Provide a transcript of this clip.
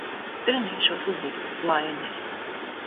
Trenēšos uzlikt laineri.